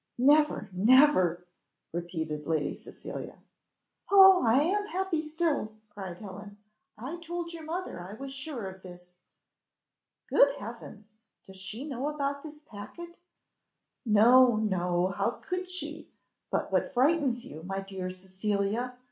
"Never, never," repeated Lady Cecilia. "Oh, I am happy still," cried Helen. "I told your mother I was sure of this." "Good heavens! Does she know about this packet?" "No, no! how could she? But what frightens you, my dear Cecilia?